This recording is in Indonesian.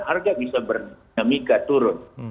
harga bisa bernamika turun